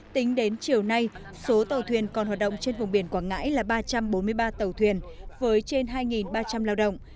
tính đến chiều nay số tàu thuyền còn hoạt động trên vùng biển quảng ngãi là ba trăm bốn mươi ba tàu thuyền với trên hai ba trăm linh lao động